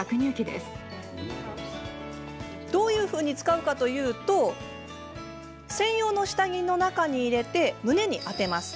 どういうふうに使うかというと専用の下着の中に入れて胸に当てます。